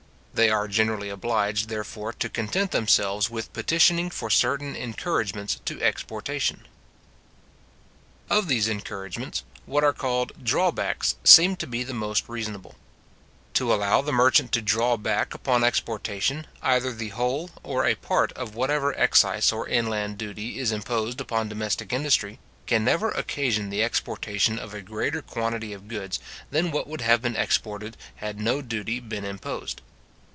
They are generally obliged, therefore, to content themselves with petitioning for certain encouragements to exportation. Of these encouragements, what are called drawbacks seem to be the most reasonable. To allow the merchant to draw back upon exportation, either the whole, or a part of whatever excise or inland duty is imposed upon domestic industry, can never occasion the exportation of a greater quantity of goods than what would have been exported had no duty been imposed.